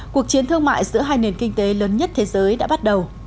cuộc chiến thương mại giữa hai nền kinh tế lớn nhất thế giới đã bắt đầu